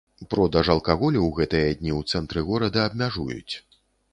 Продаж алкаголю ў гэтыя дні ў цэнтры горада абмяжуюць.